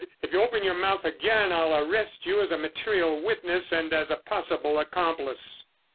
"If you open your mouth again, I'll arrest you as a material witness and as a possible accomplice."